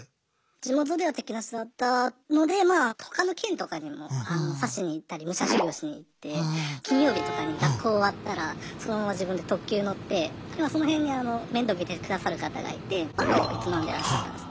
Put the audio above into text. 地元では敵なしだったので外の県とかにも指しにいったり武者修行しにいって金曜日とかに学校終わったらそのまま自分で特急乗ってその辺に面倒見て下さる方がいてバーを営んでらっしゃったんです。